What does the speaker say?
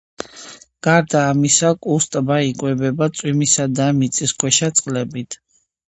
გარდა ამისა, კუს ტბა იკვებება წვიმისა და მიწისქვეშა წყლებით.